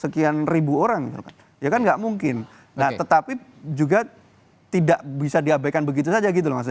sekian ribu orang bukan gak mungkin nah tetapi juga tidak bisa diabayakan begitu saja gitu loh